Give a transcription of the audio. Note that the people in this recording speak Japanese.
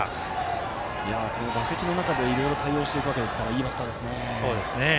打席の中で、いろいろ対応していくわけですからいいバッターですね。